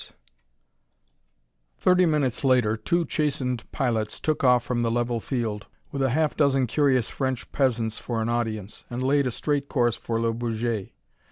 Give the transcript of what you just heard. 2 Thirty minutes later two chastened pilots took off from the level field, with a half dozen curious French peasants for an audience, and laid a straight course for Le Bourget.